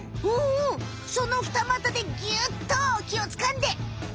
うんうんそのふたまたでギュッときをつかんで。